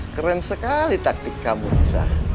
keren sekali taktik kamu bisa